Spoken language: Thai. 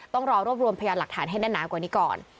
ต้องรอรวบรวมพยานหลักฐานให้แน่นหนากว่านี้ก่อน